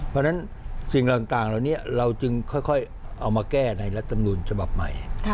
เพราะฉะนั้นสิ่งเหล่านี้เราจึงค่อยเอามาแก้ในรัฐมนุนฉบับใหม่